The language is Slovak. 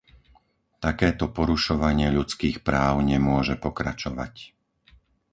Takéto porušovanie ľudských práv nemôže pokračovať.